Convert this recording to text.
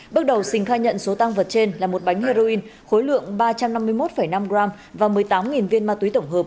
bước đầu sình khai nhận số tăng vật trên là một bánh heroin khối lượng ba trăm năm mươi một năm g và một mươi tám viên ma túy tổng hợp